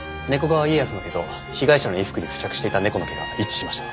川家康の毛と被害者の衣服に付着していた猫の毛が一致しました。